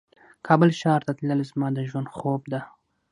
کابل ښار ته تلل زما د ژوند خوب ده